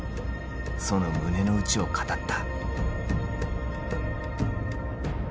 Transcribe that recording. その胸の内を語った。